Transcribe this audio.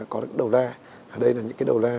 có cái đầu la ở đây là những cái đầu la